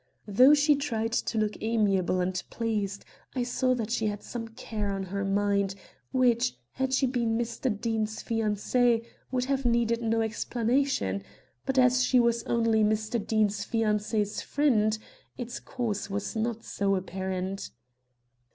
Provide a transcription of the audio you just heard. Though she tried to look amiable and pleased, I saw that she had some care on her mind, which, had she been Mr. Deane's fiancée, would have needed no explanation; but as she was only Mr. Deane's fiancée's friend, its cause was not so apparent.